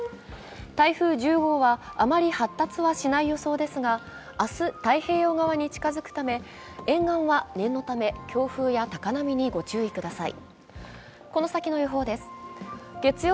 台風１０号はあまり発達はしない予想ですが明日、太平洋側に近づくため沿岸の念のため強風や高波にご注意ください。